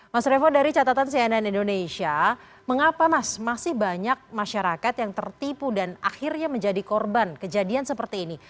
mas revo dari catatan cnn indonesia mengapa mas masih banyak masyarakat yang tertipu dan akhirnya menjadi korban kejadian seperti ini